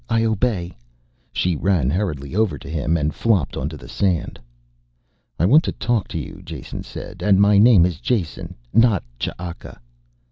I obey." She ran hurriedly over to him and flopped onto the sand. "I want to talk to you," Jason said. "And my name is Jason, not Ch'aka."